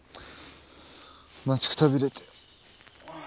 待ちくたびれて。